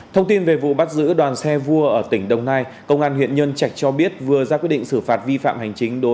thông tin về vụ bắt giữ đoàn xe vua ở tỉnh đồng nai công an huyện nhân trạch cho biết vừa ra quyết định xử phạt vi phạm hành chính